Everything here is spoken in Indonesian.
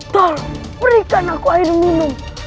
toh berikan aku air minum